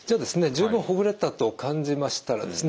十分ほぐれたと感じましたらですね